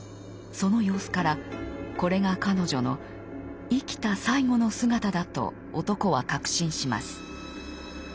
その様子からこれが彼女の生きた最後の姿だと男は確信します。